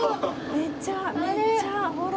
めっちゃめっちゃほら。